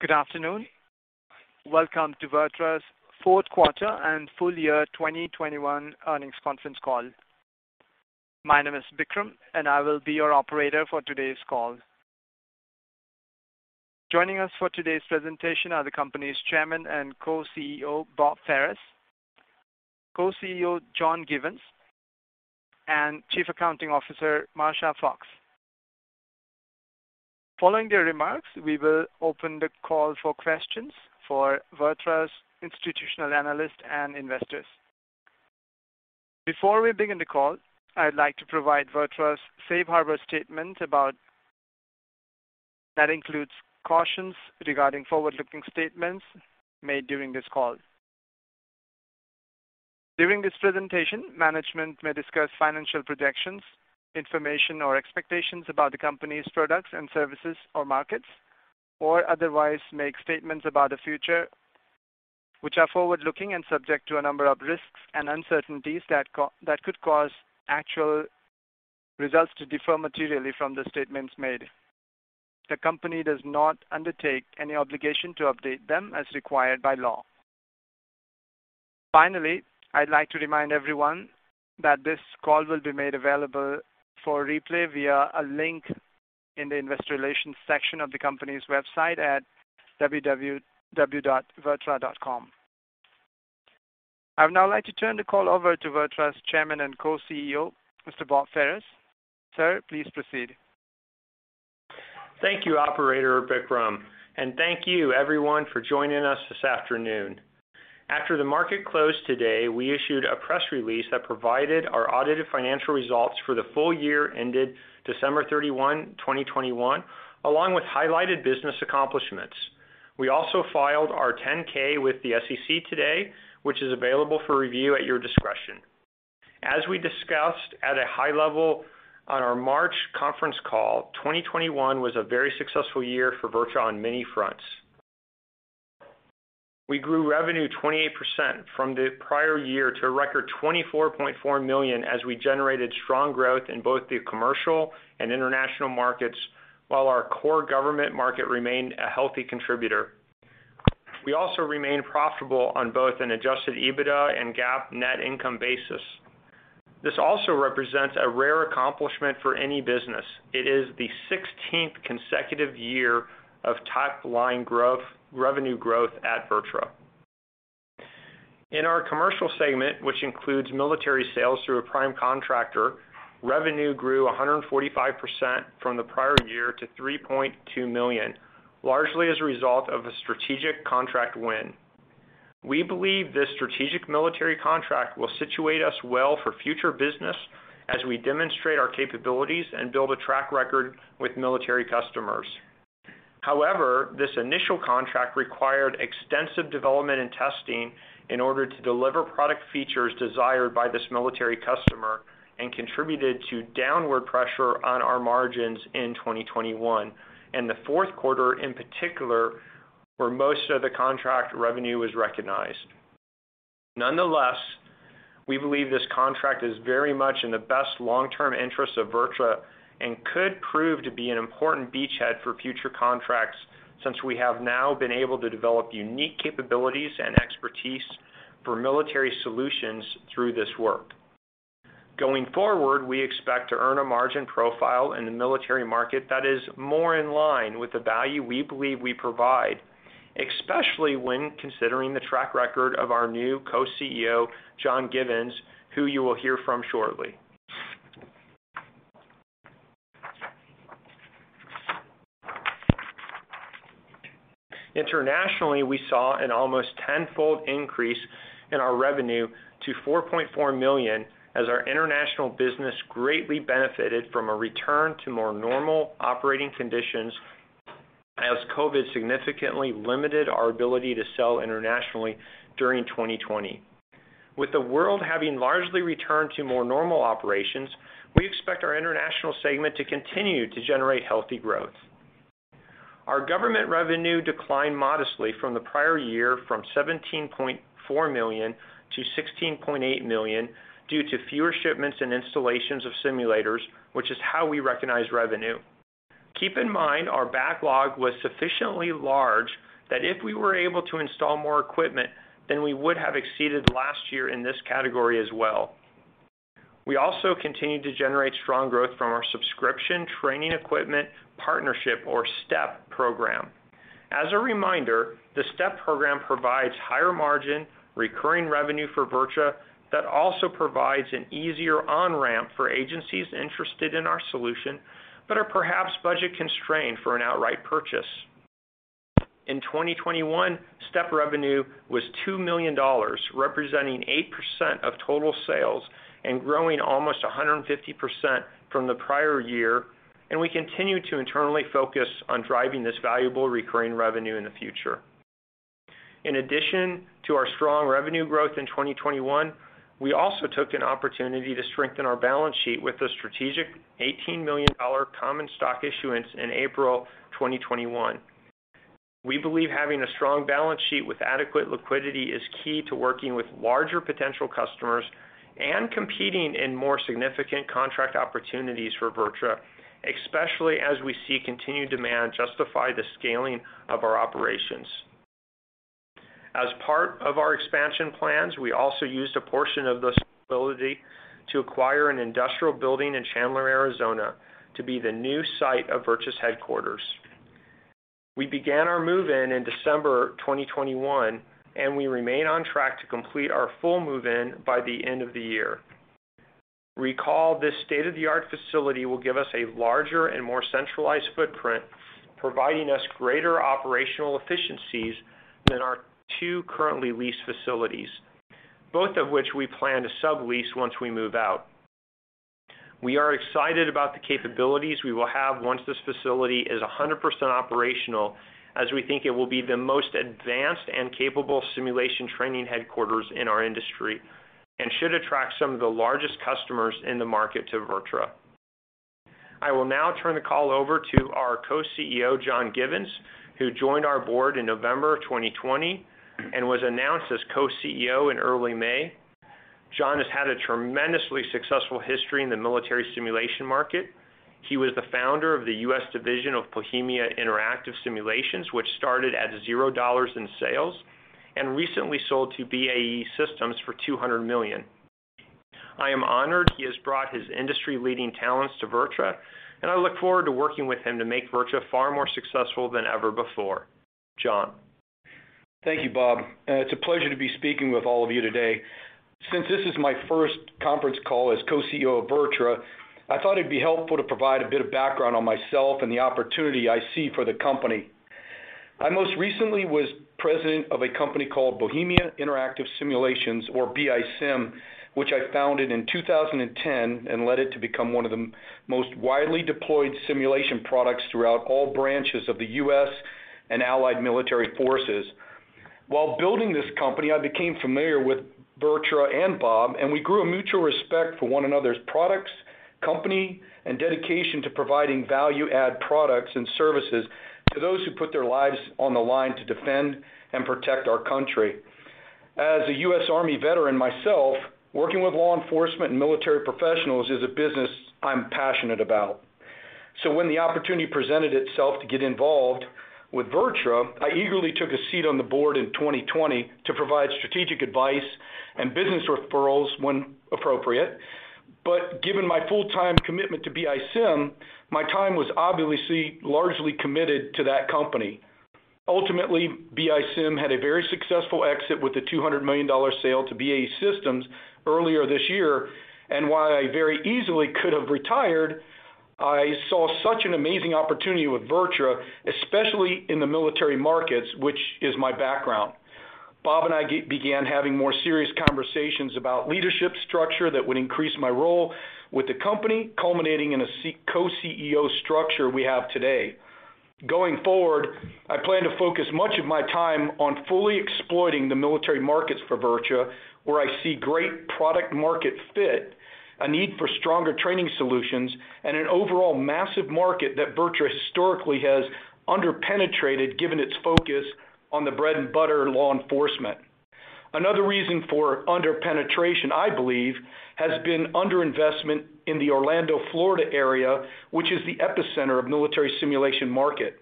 Good afternoon. Welcome to VirTra's fourth quarter and full year 2021 earnings conference call. My name is Vikram, and I will be your operator for today's call. Joining us for today's presentation are the company's Chairman and Co-CEO, Bob Ferris, Co-CEO, John Givens, and Chief Accounting Officer, Marsha Foxx. Following their remarks, we will open the call for questions for VirTra's institutional analysts and investors. Before we begin the call, I'd like to provide VirTra's safe harbor statement that includes cautions regarding forward-looking statements made during this call. During this presentation, management may discuss financial projections, information, or expectations about the company's products and services or markets, or otherwise make statements about the future, which are forward-looking and subject to a number of risks and uncertainties that could cause actual results to differ materially from the statements made. The company does not undertake any obligation to update them as required by law. Finally, I'd like to remind everyone that this call will be made available for replay via a link in the investor relations section of the company's website at www.virtra.com. I would now like to turn the call over to VirTra's Chairman and Co-CEO, Mr. Bob Ferris. Sir, please proceed. Thank you, Operator Vikram, and thank you everyone for joining us this afternoon. After the market closed today, we issued a press release that provided our audited financial results for the full year ended December 31, 2021, along with highlighted business accomplishments. We also filed our 10-K with the SEC today, which is available for review at your discretion. As we discussed at a high level on our March conference call, 2021 was a very successful year for VirTra on many fronts. We grew revenue 28% from the prior year to a record $24.4 million as we generated strong growth in both the commercial and international markets, while our core government market remained a healthy contributor. We also remained profitable on both an adjusted EBITDA and GAAP net income basis. This also represents a rare accomplishment for any business. It is the 16th consecutive year of top line growth, revenue growth at VirTra. In our commercial segment, which includes military sales through a prime contractor, revenue grew 145% from the prior year to $3.2 million, largely as a result of a strategic contract win. We believe this strategic military contract will situate us well for future business as we demonstrate our capabilities and build a track record with military customers. However, this initial contract required extensive development and testing in order to deliver product features desired by this military customer and contributed to downward pressure on our margins in 2021, and the fourth quarter in particular, where most of the contract revenue was recognized. Nonetheless, we believe this contract is very much in the best long-term interest of VirTra, and could prove to be an important beachhead for future contracts since we have now been able to develop unique capabilities and expertise for military solutions through this work. Going forward, we expect to earn a margin profile in the military market that is more in line with the value we believe we provide, especially when considering the track record of our new Co-CEO, John Givens, who you will hear from shortly. Internationally, we saw an almost tenfold increase in our revenue to $4.4 million as our international business greatly benefited from a return to more normal operating conditions as COVID significantly limited our ability to sell internationally during 2020. With the world having largely returned to more normal operations, we expect our international segment to continue to generate healthy growth. Our government revenue declined modestly from the prior year from $17.4 million to $16.8 million due to fewer shipments and installations of simulators, which is how we recognize revenue. Keep in mind, our backlog was sufficiently large that if we were able to install more equipment, then we would have exceeded last year in this category as well. We also continued to generate strong growth from our subscription training equipment partnership or STEP program. As a reminder, the STEP program provides higher margin, recurring revenue for VirTra that also provides an easier on-ramp for agencies interested in our solution, but are perhaps budget-constrained for an outright purchase. In 2021, STEP revenue was $2 million, representing 8% of total sales and growing almost 150% from the prior year, and we continue to internally focus on driving this valuable recurring revenue in the future. In addition to our strong revenue growth in 2021, we also took an opportunity to strengthen our balance sheet with a strategic $18 million common stock issuance in April 2021. We believe having a strong balance sheet with adequate liquidity is key to working with larger potential customers and competing in more significant contract opportunities for VirTra, especially as we see continued demand justify the scaling of our operations. As part of our expansion plans, we also used a portion of this liquidity to acquire an industrial building in Chandler, Arizona, to be the new site of VirTra headquarters. We began our move-in in December 2021, and we remain on track to complete our full move-in by the end of the year. Recall, this state-of-the-art facility will give us a larger and more centralized footprint, providing us greater operational efficiencies than our two currently leased facilities, both of which we plan to sublease once we move out. We are excited about the capabilities we will have once this facility is 100% operational, as we think it will be the most advanced and capable simulation training headquarters in our industry, and should attract some of the largest customers in the market to VirTra. I will now turn the call over to our co-CEO, John Givens, who joined our board in November 2020 and was announced as co-CEO in early May. John has had a tremendously successful history in the military simulation market. He was the founder of the U.S. division of Bohemia Interactive Simulations, which started at $0 in sales and recently sold to BAE Systems for $200 million. I am honored he has brought his industry-leading talents to VirTra, and I look forward to working with him to make VirTra far more successful than ever before. John. Thank you, Bob. It's a pleasure to be speaking with all of you today. Since this is my first conference call as co-CEO of VirTra, I thought it'd be helpful to provide a bit of background on myself and the opportunity I see for the company. I most recently was president of a company called Bohemia Interactive Simulations, or BISim, which I founded in 2010 and led it to become one of the most widely deployed simulation products throughout all branches of the U.S. and allied military forces. While building this company, I became familiar with VirTra and Bob, and we grew a mutual respect for one another's products, company, and dedication to providing value-add products and services to those who put their lives on the line to defend and protect our country. As a U.S. Army veteran myself, working with law enforcement and military professionals is a business I'm passionate about. When the opportunity presented itself to get involved with VirTra, I eagerly took a seat on the board in 2020 to provide strategic advice and business referrals when appropriate. Given my full-time commitment to BISim, my time was obviously largely committed to that company. Ultimately, BISim had a very successful exit with a $200 million sale to BAE Systems earlier this year. While I very easily could have retired, I saw such an amazing opportunity with VirTra, especially in the military markets, which is my background. Bob and I began having more serious conversations about leadership structure that would increase my role with the company, culminating in a co-CEO structure we have today. Going forward, I plan to focus much of my time on fully exploiting the military markets for VirTra, where I see great product market fit, a need for stronger training solutions, and an overall massive market that VirTra historically has under-penetrated, given its focus on the bread and butter law enforcement. Another reason for under-penetration, I believe, has been under-investment in the Orlando, Florida area, which is the epicenter of military simulation market.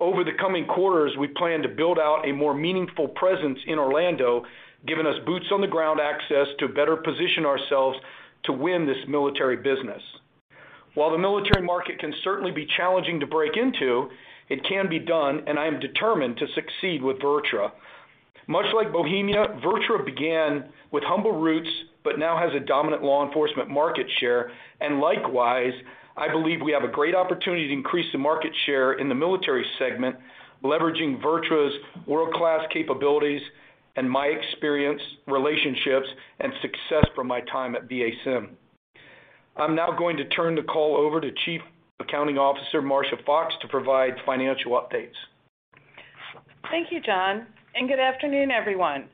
Over the coming quarters, we plan to build out a more meaningful presence in Orlando, giving us boots on the ground access to better position ourselves to win this military business. While the military market can certainly be challenging to break into, it can be done, and I am determined to succeed with VirTra. Much like Bohemia, VirTra began with humble roots, but now has a dominant law enforcement market share. Likewise, I believe we have a great opportunity to increase the market share in the military segment, leveraging VirTra's world-class capabilities and my experience, relationships, and success from my time at BISim. I'm now going to turn the call over to Chief Accounting Officer Marsha J. Foxx to provide financial updates. Thank you, John, and good afternoon, everyone.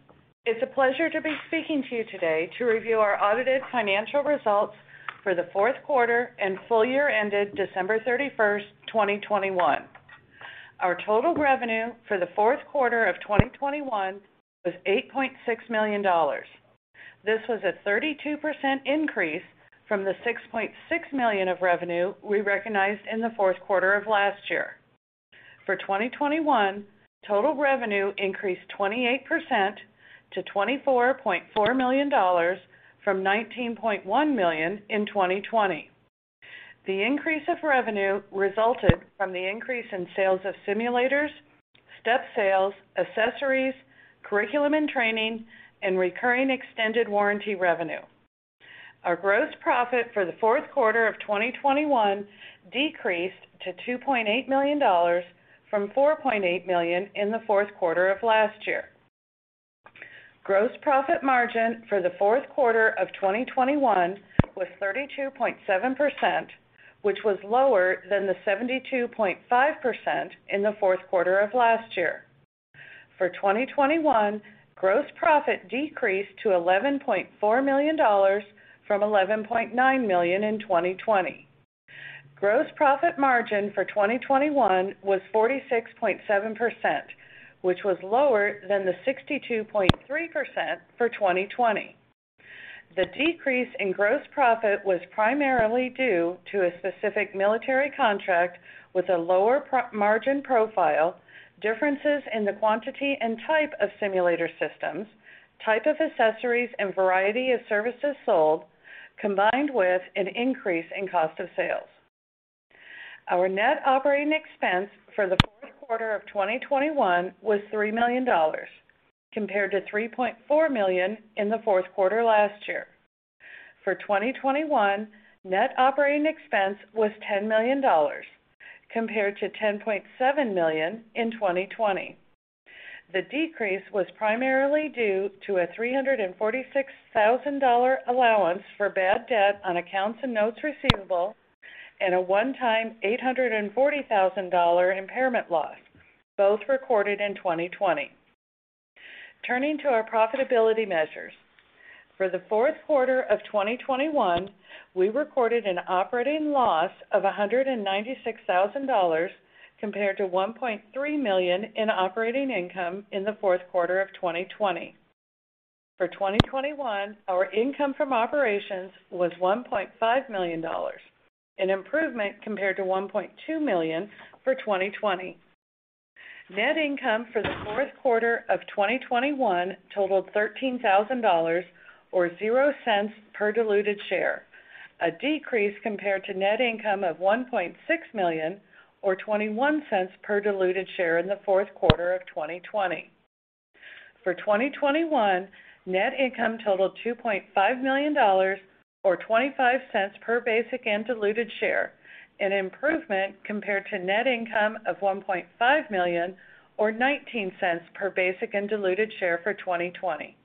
It's a pleasure to be speaking to you today to review our audited financial results for the fourth quarter and full year ended December 31st, 2021. Our total revenue for the fourth quarter of 2021 was $8.6 million. This was a 32% increase from the $6.6 million of revenue we recognized in the fourth quarter of last year. For 2021, total revenue increased 28% to $24.4 million from $19.1 million in 2020. The increase of revenue resulted from the increase in sales of simulators, step sales, accessories, curriculum and training, and recurring extended warranty revenue. Our gross profit for the fourth quarter of 2021 decreased to $2.8 million from $4.8 million in the fourth quarter of last year. Gross profit margin for the fourth quarter of 2021 was 32.7%, which was lower than the 72.5% in the fourth quarter of last year. For 2021, gross profit decreased to $11.4 million from $11.9 million in 2020. Gross profit margin for 2021 was 46.7%, which was lower than the 62.3% for 2020. The decrease in gross profit was primarily due to a specific military contract with a lower-margin profile, differences in the quantity and type of simulator systems, type of accessories, and variety of services sold, combined with an increase in cost of sales. Our net operating expense for the fourth quarter of 2021 was $3 million, compared to $3.4 million in the fourth quarter last year. For 2021, net operating expense was $10 million, compared to $10.7 million in 2020. The decrease was primarily due to a $346,000 allowance for bad debt on accounts and notes receivable, and a one-time $840,000 impairment loss, both recorded in 2020. Turning to our profitability measures. For the fourth quarter of 2021, we recorded an operating loss of $196,000, compared to $1.3 million in operating income in the fourth quarter of 2020. For 2021, our income from operations was $1.5 million, an improvement compared to $1.2 million for 2020. Net income for the fourth quarter of 2021 totaled $13,000 or $0.00 per diluted share, a decrease compared to net income of $1.6 million or $0.21 per diluted share in the fourth quarter of 2020. For 2021, net income totaled $2.5 million or $0.25 per basic and diluted share, an improvement compared to net income of $1.5 million or $0.19 per basic and diluted share for 2020.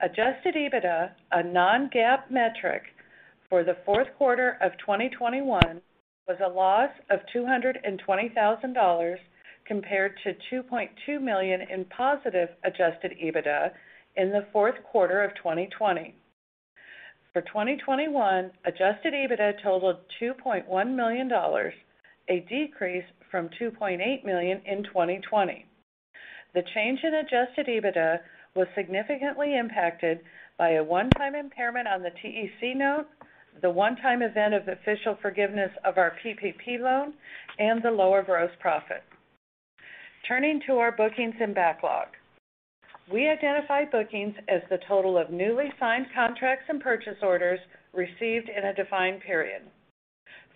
Adjusted EBITDA, a non-GAAP metric for the fourth quarter of 2021, was a loss of $220,000 compared to $2.2 million in positive adjusted EBITDA in the fourth quarter of 2020. For 2021, adjusted EBITDA totaled $2.1 million, a decrease from $2.8 million in 2020. The change in adjusted EBITDA was significantly impacted by a one-time impairment on the TEC note, the one-time event of official forgiveness of our PPP loan, and the lower gross profit. Turning to our bookings and backlog. We identify bookings as the total of newly signed contracts and purchase orders received in a defined period.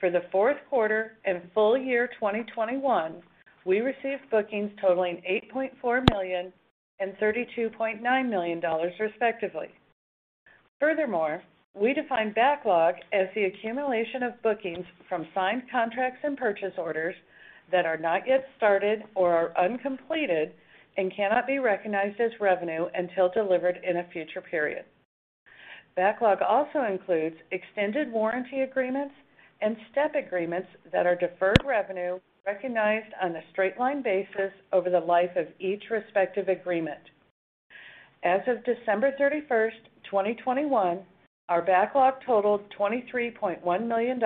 For the fourth quarter and full year 2021, we received bookings totaling $8.4 million and $32.9 million, respectively. Furthermore, we define backlog as the accumulation of bookings from signed contracts and purchase orders that are not yet started or are uncompleted and cannot be recognized as revenue until delivered in a future period. Backlog also includes extended warranty agreements and step agreements that are deferred revenue recognized on a straight-line basis over the life of each respective agreement. As of December 31, 2021, our backlog totaled $23.1 million,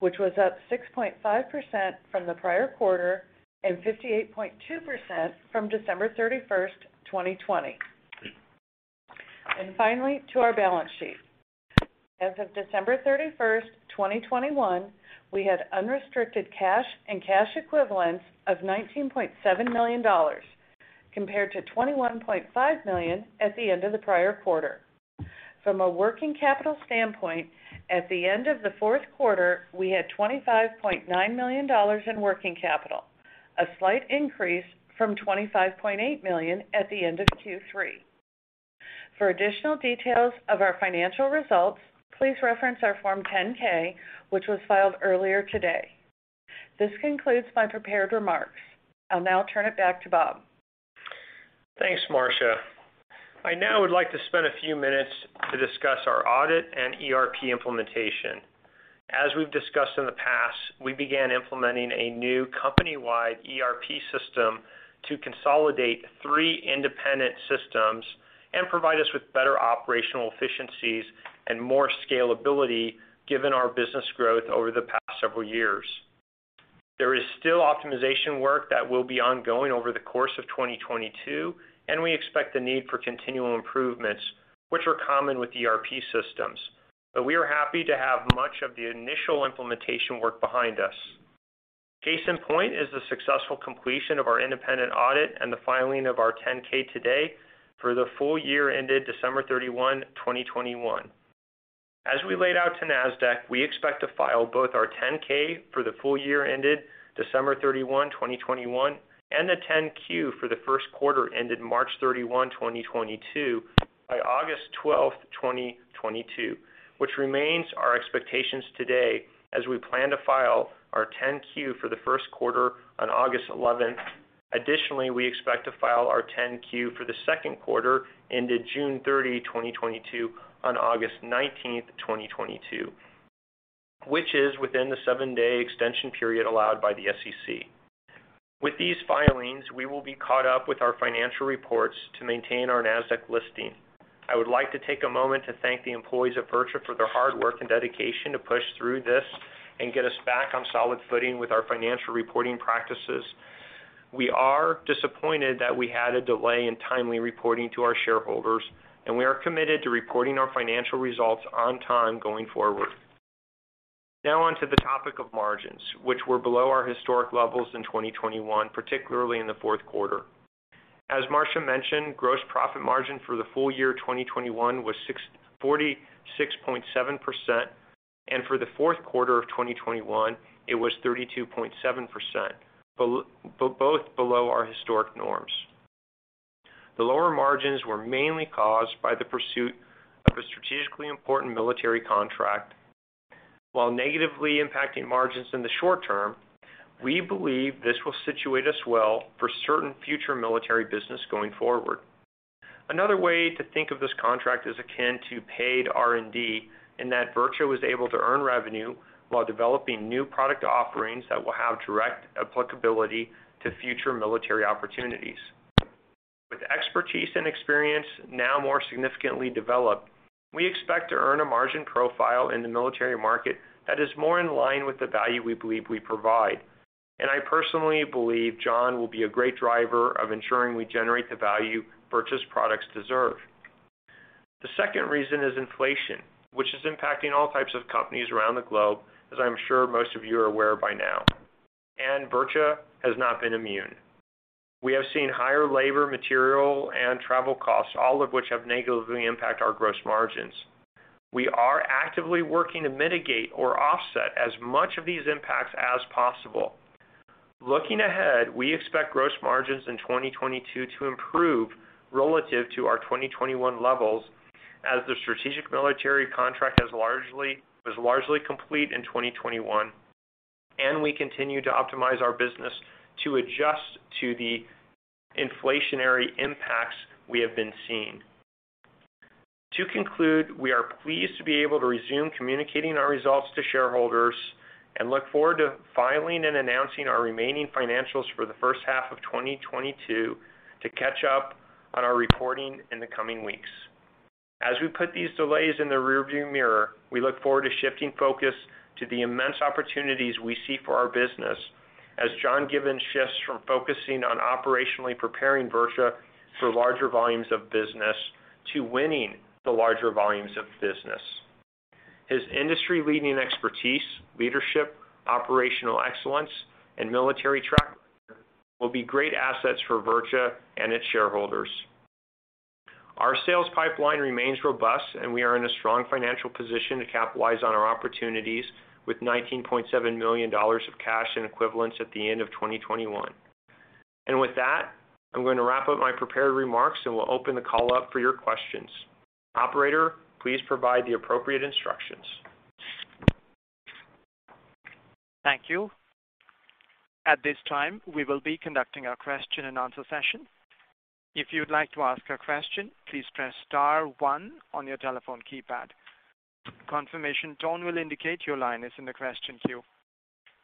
which was up 6.5% from the prior quarter and 58.2% from December 31, 2020. Finally, to our balance sheet. As of December 31, 2021, we had unrestricted cash and cash equivalents of $19.7 million, compared to $21.5 million at the end of the prior quarter. From a working capital standpoint, at the end of the fourth quarter, we had $25.9 million in working capital, a slight increase from $25.8 million at the end of Q3. For additional details of our financial results, please reference our Form 10-K, which was filed earlier today. This concludes my prepared remarks. I'll now turn it back to Bob. Thanks, Marsha. I now would like to spend a few minutes to discuss our audit and ERP implementation. As we've discussed in the past, we began implementing a new company-wide ERP system to consolidate three independent systems and provide us with better operational efficiencies and more scalability given our business growth over the past several years. There is still optimization work that will be ongoing over the course of 2022, and we expect the need for continual improvements, which are common with ERP systems. We are happy to have much of the initial implementation work behind us. Case in point is the successful completion of our independent audit and the filing of our 10-K today for the full year ended December 31, 2021. As we laid out to Nasdaq, we expect to file both our 10-K for the full year ended December 31, 2021, and the 10-Q for the first quarter ended March 31, 2022 by August 12, 2022, which remains our expectations today as we plan to file our 10-Q for the first quarter on August 11. Additionally, we expect to file our 10-Q for the second quarter ended June 30, 2022 on August 19, 2022, which is within the seven-day extension period allowed by the SEC. With these filings, we will be caught up with our financial reports to maintain our Nasdaq listing. I would like to take a moment to thank the employees of VirTra for their hard work and dedication to push through this and get us back on solid footing with our financial reporting practices. We are disappointed that we had a delay in timely reporting to our shareholders, and we are committed to reporting our financial results on time going forward. Now on to the topic of margins, which were below our historic levels in 2021, particularly in the fourth quarter. As Marsha mentioned, gross profit margin for the full year 2021 was 46.7%, and for the fourth quarter of 2021, it was 32.7%, both below our historic norms. The lower margins were mainly caused by the pursuit of a strategically important military contract. While negatively impacting margins in the short term, we believe this will situate us well for certain future military business going forward. Another way to think of this contract is akin to paid R&D, in that VirTra was able to earn revenue while developing new product offerings that will have direct applicability to future military opportunities. With expertise and experience now more significantly developed, we expect to earn a margin profile in the military market that is more in line with the value we believe we provide. I personally believe John will be a great driver of ensuring we generate the value VirTra's products deserve. The second reason is inflation, which is impacting all types of companies around the globe, as I'm sure most of you are aware by now. VirTra has not been immune. We have seen higher labor, material, and travel costs, all of which have negatively impacted our gross margins. We are actively working to mitigate or offset as much of these impacts as possible. Looking ahead, we expect gross margins in 2022 to improve relative to our 2021 levels as the strategic military contract was largely complete in 2021, and we continue to optimize our business to adjust to the inflationary impacts we have been seeing. To conclude, we are pleased to be able to resume communicating our results to shareholders and look forward to filing and announcing our remaining financials for the first half of 2022 to catch up on our reporting in the coming weeks. As we put these delays in the rear view mirror, we look forward to shifting focus to the immense opportunities we see for our business as John Givens shifts from focusing on operationally preparing VirTra for larger volumes of business to winning the larger volumes of business. His industry-leading expertise, leadership, operational excellence, and military track record will be great assets for VirTra and its shareholders. Our sales pipeline remains robust, and we are in a strong financial position to capitalize on our opportunities with $19.7 million of cash and equivalents at the end of 2021. With that, I'm gonna wrap up my prepared remarks, and we'll open the call up for your questions. Operator, please provide the appropriate instructions. Thank you. At this time, we will be conducting our question-and-answer session. If you'd like to ask a question, please press star one on your telephone keypad. Confirmation tone will indicate your line is in the question queue.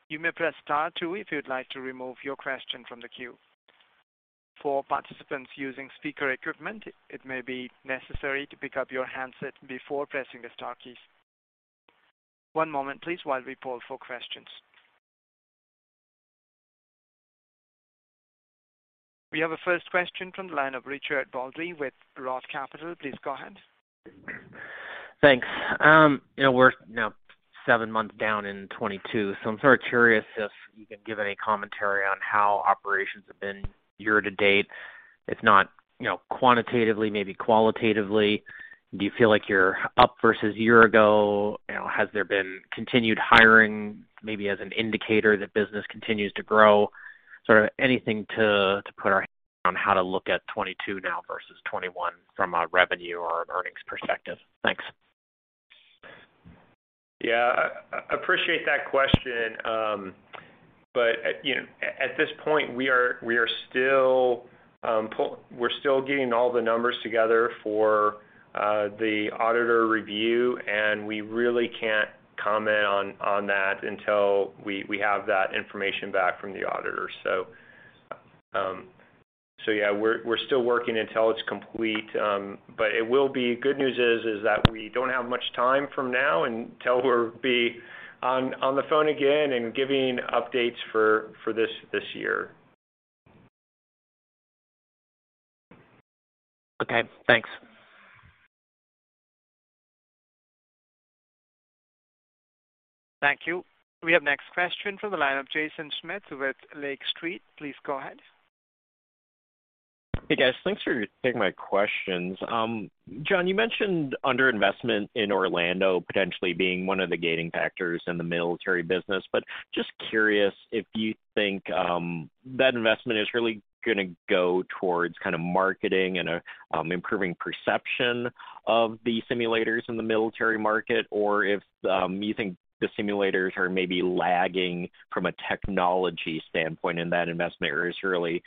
You may press star two if you'd like to remove your question from the queue. For participants using speaker equipment, it may be necessary to pick up your handset before pressing the star keys. One moment, please, while we poll for questions. We have a first question from the line of Richard Baldry with Roth Capital Partners. Please go ahead. Thanks. You know, we're now seven months down in 2022, so I'm sort of curious if you can give any commentary on how operations have been year to date. If not, you know, quantitatively, maybe qualitatively. Do you feel like you're up versus a year ago? You know, has there been continued hiring maybe as an indicator that business continues to grow? Sort of anything to put our hands on how to look at 2022 now versus 2021 from a revenue or an earnings perspective. Thanks. Yeah. Appreciate that question. You know, at this point, we are still getting all the numbers together for the auditor review, and we really can't comment on that until we have that information back from the auditors. Yeah, we're still working until it's complete. The good news is that we don't have much time from now until we'll be on the phone again and giving updates for this year. Okay, thanks. Thank you. We have next question from the line of Jaeson Schmidt with Lake Street. Please go ahead. Hey, guys. Thanks for taking my questions. John, you mentioned under-investment in Orlando potentially being one of the gating factors in the military business. Just curious if you think that investment is really gonna go towards kind of marketing and improving perception of the simulators in the military market, or if you think the simulators are maybe lagging from a technology standpoint and that investment is really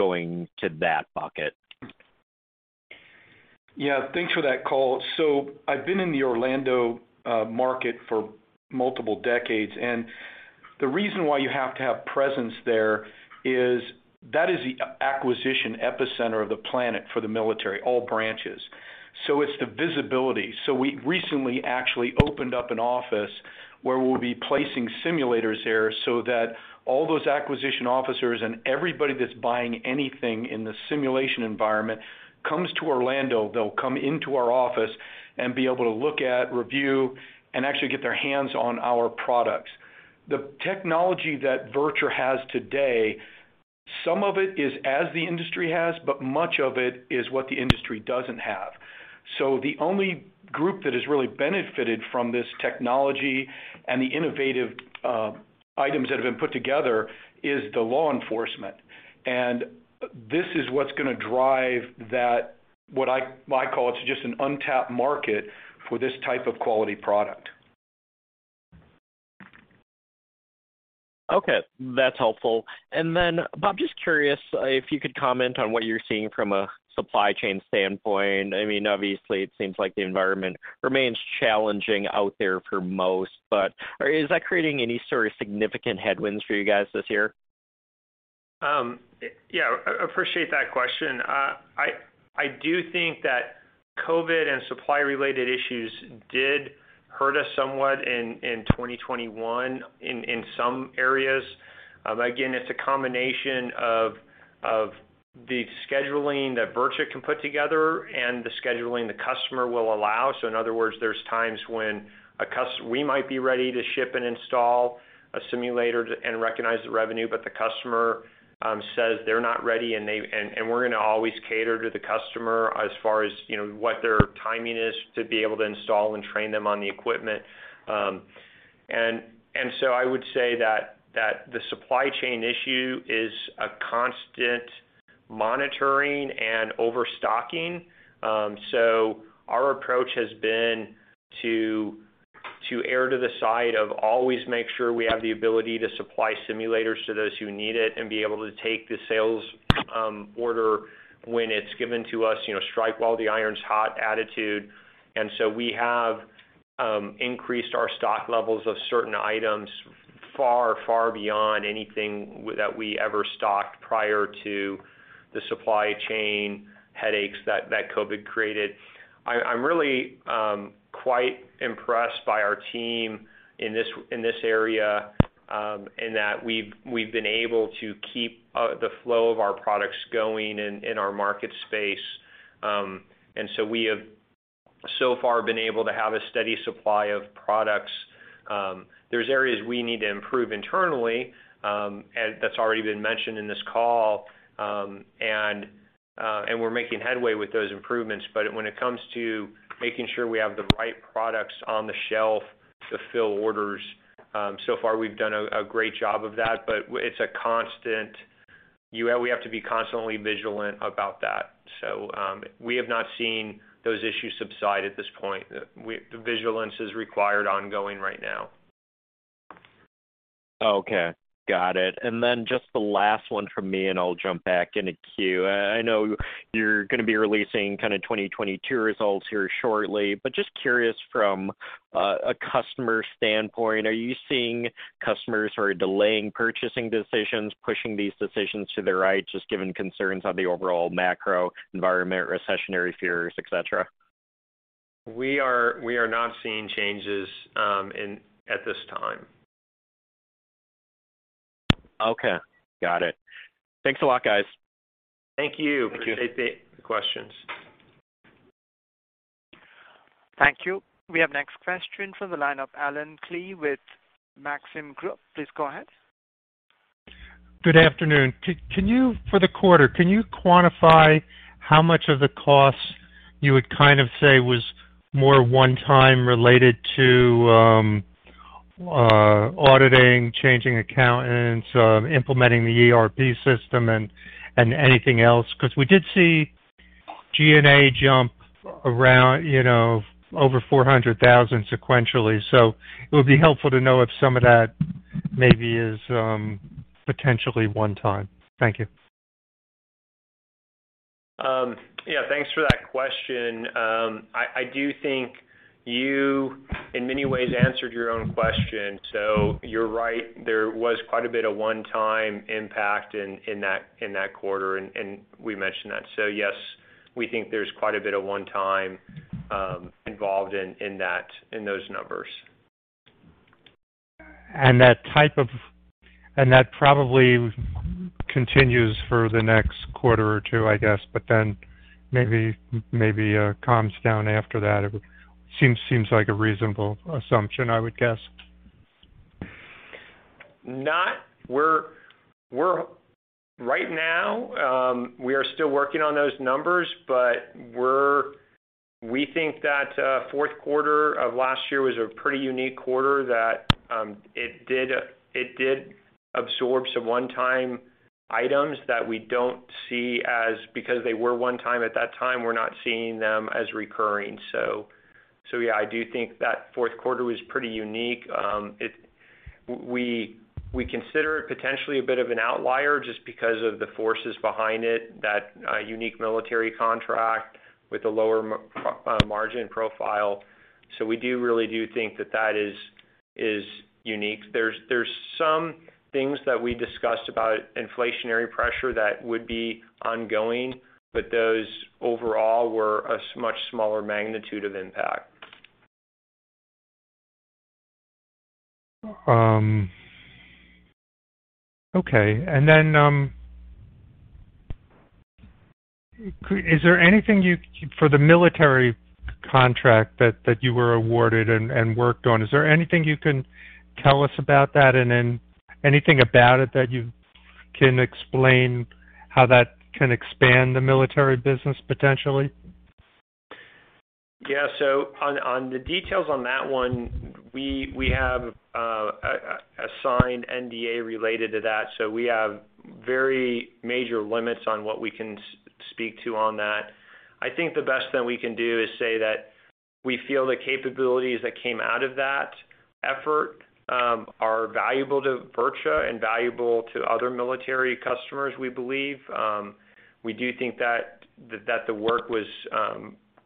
going to that bucket? Yeah. Thanks for that call. I've been in the Orlando market for multiple decades, and the reason why you have to have presence there is that is the acquisition epicenter of the planet for the military, all branches. It's the visibility. We recently actually opened up an office where we'll be placing simulators there so that all those acquisition officers and everybody that's buying anything in the simulation environment comes to Orlando. They'll come into our office and be able to look at, review, and actually get their hands on our products. The technology that VirTra has today, some of it is as the industry has, but much of it is what the industry doesn't have. The only group that has really benefited from this technology and the innovative items that have been put together is the law enforcement. This is what's gonna drive that, what I call it's just an untapped market for this type of quality product. Okay. That's helpful. Bob, just curious if you could comment on what you're seeing from a supply chain standpoint. I mean, obviously, it seems like the environment remains challenging out there for most. Is that creating any sort of significant headwinds for you guys this year? Yeah, appreciate that question. I do think that COVID and supply-related issues did hurt us somewhat in 2021 in some areas. Again, it's a combination of the scheduling that VirTra can put together and the scheduling the customer will allow. In other words, there's times when we might be ready to ship and install a simulator to and recognize the revenue, but the customer says they're not ready, and we're gonna always cater to the customer as far as, you know, what their timing is to be able to install and train them on the equipment. I would say that the supply chain issue is a constant monitoring and overstocking. So our approach has been to err to the side of always make sure we have the ability to supply simulators to those who need it and be able to take the sales order when it's given to us, you know, strike while the iron's hot attitude. We have increased our stock levels of certain items far beyond anything that we ever stocked prior to the supply chain headaches that COVID created. I'm really quite impressed by our team in this area in that we've been able to keep the flow of our products going in our market space. We have so far been able to have a steady supply of products. There's areas we need to improve internally, and that's already been mentioned in this call. We're making headway with those improvements. When it comes to making sure we have the right products on the shelf to fill orders, so far we've done a great job of that. It's a constant. We have to be constantly vigilant about that. We have not seen those issues subside at this point. The vigilance is required ongoing right now. Okay. Got it. Just the last one from me, and I'll jump back in the queue. I know you're gonna be releasing kinda 2022 results here shortly, but just curious from a customer standpoint, are you seeing customers who are delaying purchasing decisions, pushing these decisions to the right, just given concerns on the overall macro environment, recessionary fears, et cetera? We are not seeing changes at this time. Okay. Got it. Thanks a lot, guys. Thank you. Thank you. Appreciate the questions. Thank you. We have next question from the line of Allen Klee with Maxim Group. Please go ahead. Good afternoon. Can you quantify how much of the costs you would kind of say was more one-time related to auditing, changing accountants, implementing the ERP system and anything else? 'Cause we did see G&A jump around, you know, over $400,000 sequentially. It would be helpful to know if some of that maybe is potentially one-time. Thank you. Yeah, thanks for that question. I do think you, in many ways, answered your own question. You're right. There was quite a bit of one-time impact in that quarter, and we mentioned that. Yes, we think there's quite a bit of one time involved in that, in those numbers. That probably continues for the next quarter or two, I guess, but then maybe calms down after that. It seems like a reasonable assumption, I would guess. Right now, we are still working on those numbers, but we think that fourth quarter of last year was a pretty unique quarter that it did absorb some one-time items that we don't see as recurring, because they were one time at that time. Yeah, I do think that fourth quarter was pretty unique. We consider it potentially a bit of an outlier just because of the forces behind it, that unique military contract with a lower margin profile. We do really think that is unique. There's some things that we discussed about inflationary pressure that would be ongoing, but those overall were a much smaller magnitude of impact. Okay. Is there anything for the military contract that you were awarded and worked on, is there anything you can tell us about that? Anything about it that you can explain how that can expand the military business potentially? On the details on that one, we have a signed NDA related to that, so we have very major limits on what we can speak to on that. I think the best that we can do is say that we feel the capabilities that came out of that effort are valuable to VirTra and valuable to other military customers, we believe. We do think that the work was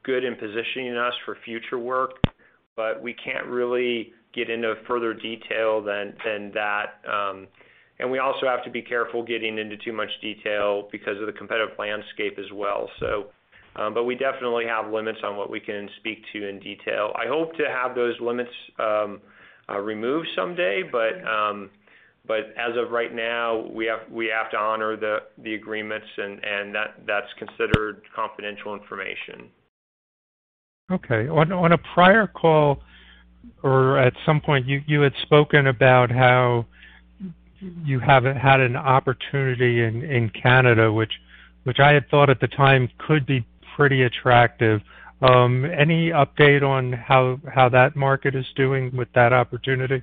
good in positioning us for future work, but we can't really get into further detail than that. We also have to be careful getting into too much detail because of the competitive landscape as well. We definitely have limits on what we can speak to in detail. I hope to have those limits removed someday, but as of right now, we have to honor the agreements and that's considered confidential information. Okay. On a prior call, or at some point, you had spoken about how you haven't had an opportunity in Canada, which I had thought at the time could be pretty attractive. Any update on how that market is doing with that opportunity?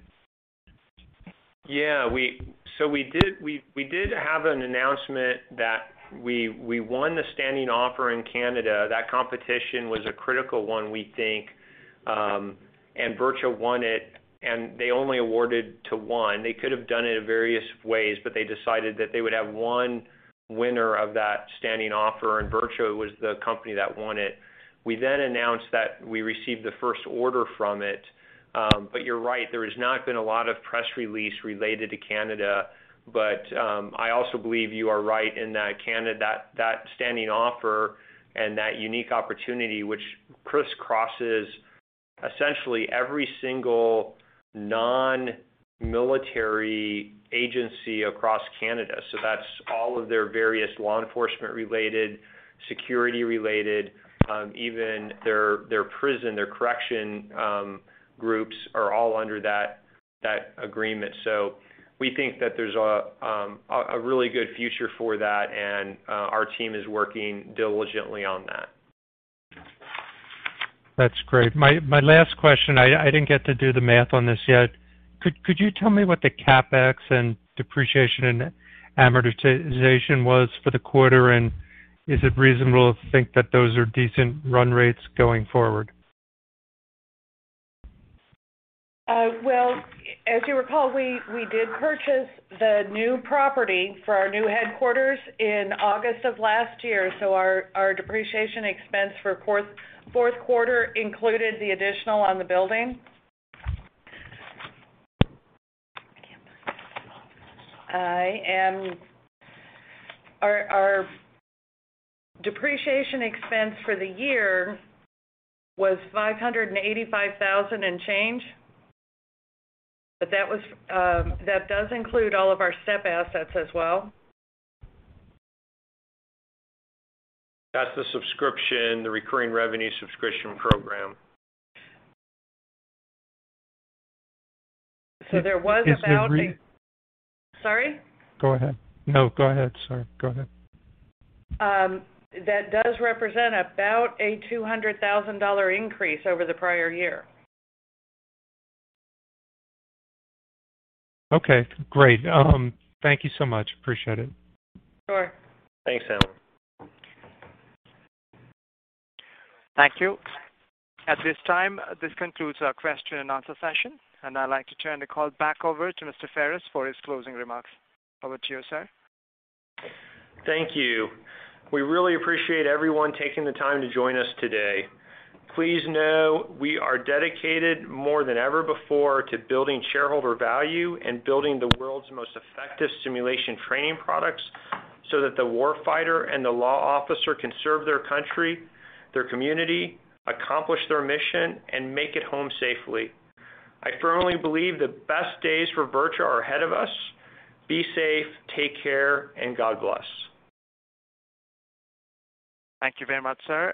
Yeah. We did have an announcement that we won the standing offer in Canada. That competition was a critical one, we think. VirTra won it, and they only awarded to one. They could have done it in various ways, but they decided that they would have one winner of that standing offer, and VirTra was the company that won it. We then announced that we received the first order from it. You're right, there has not been a lot of press release related to Canada. I also believe you are right in that Canada, that standing offer and that unique opportunity which crisscrosses essentially every single non-military agency across Canada. That's all of their various law enforcement related, security related, even their prison, their correction groups are all under that agreement. We think that there's a really good future for that, and our team is working diligently on that. That's great. My last question, I didn't get to do the math on this yet. Could you tell me what the CapEx and depreciation and amortization was for the quarter? Is it reasonable to think that those are decent run rates going forward? Well, as you recall, we did purchase the new property for our new headquarters in August of last year, so our depreciation expense for fourth quarter included the additional on the building. Our depreciation expense for the year was $585,000 and change. That does include all of our STEP assets as well. That's the subscription, the recurring revenue subscription program. So there was about- Is it re- Sorry? Go ahead. No, go ahead, sorry. Go ahead. That does represent about a $200,000 increase over the prior year. Okay, great. Thank you so much. Appreciate it. Sure. Thanks, Allen. Thank you. At this time, this concludes our question and answer session, and I'd like to turn the call back over to Mr. Ferris for his closing remarks. Over to you, sir. Thank you. We really appreciate everyone taking the time to join us today. Please know we are dedicated more than ever before to building shareholder value and building the world's most effective simulation training products so that the war fighter and the law officer can serve their country, their community, accomplish their mission and make it home safely. I firmly believe the best days for VirTra are ahead of us. Be safe, take care, and God bless. Thank you very much, sir.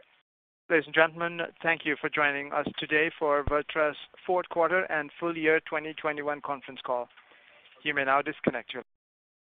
Ladies and gentlemen, thank you for joining us today for VirTra's fourth quarter and full year 2021 conference call. You may now disconnect your